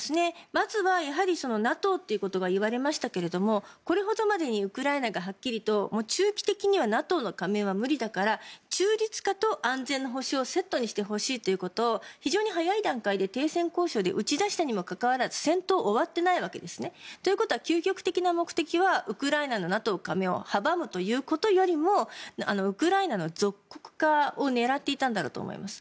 まずはＮＡＴＯということが言われましたがこれほどまでにウクライナがはっきりと中期的にはＮＡＴＯの加盟は無理だから中立化と安全の保障をセットにしてほしいということを非常に早い段階で停戦交渉で打ち出したにもかかわらず戦闘は終わっていないわけですね。ということは究極的な目的はウクライナのＮＡＴＯ加盟を阻むということよりもウクライナの属国化を狙っていたんだろうと思います。